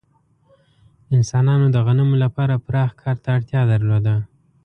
انسانانو د غنمو لپاره پراخ کار ته اړتیا درلوده.